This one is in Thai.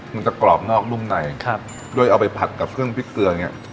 มันจะกรอบนอกนุ่มในครับด้วยเอาไปผัดกับเครื่องพริกเกลือเนี้ย